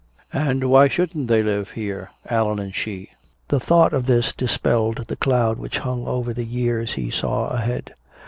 And why shouldn't they live here, Allan and she? The thought of this dispelled the cloud which hung over the years he saw ahead.